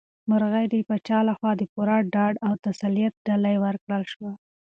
مرغۍ ته د پاچا لخوا د پوره ډاډ او تسلیت ډالۍ ورکړل شوه.